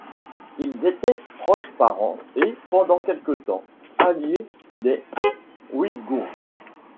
Ils étaient proches parents et, pendant quelque temps, alliés des Ouïgours.